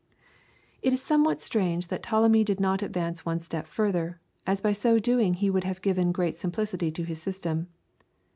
It is somewhat strange that Ptolemy did not advance one step further, as by so doing he would have given great simplicity to his system.